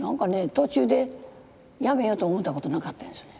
途中でやめようと思ったことなかったですね。